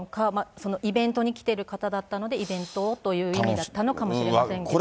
イベントに来てる方だったので、イベントをという意味だったのかもしれませんけれども。